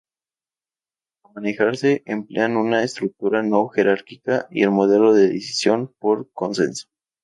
Para manejarse, emplean una estructura no-jerárquica y el modelo de decisión por consenso.